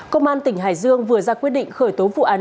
công an tỉnh hải dương vừa ra quyết định khởi tố vụ án